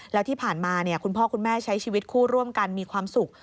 แล้วที่ผ่านมาคุณพ่อคุณแม่ใช้ชีวิตคู่ร่วมกันมีความสุข